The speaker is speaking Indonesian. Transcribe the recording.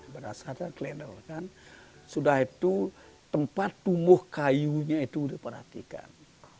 berdasarkan klender kan sudah itu tempat tumbuh kayunya itu diperhatikan